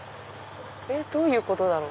どういうことだろう？